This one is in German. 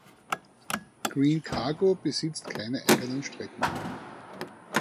Green Cargo besitzt keine eigenen Strecken.